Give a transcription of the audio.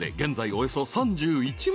およそ３１万円］